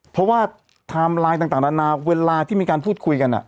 เพราะว่าไทม์ไลน์ต่างนานาเวลาที่มีการพูดคุยกัน